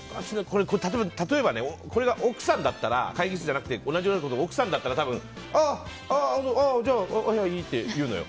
例えば、これが奥さんだったら会議室じゃなくて同じようなことが奥さんだったら多分、ああじゃあはいはいって言うのよ。